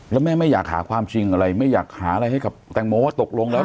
แล้วแม่ไม่อยากหาความจริงอะไรไม่อยากหาอะไรให้กับแตงโมว่าตกลงแล้ว